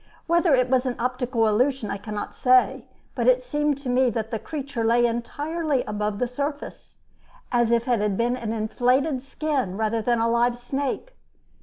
Whether it was an optical illusion I cannot say, but it seemed to me that the creature lay entirely above the surface, as if it had been an inflated skin rather than a live snake.